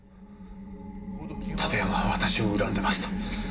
館山は私を恨んでました。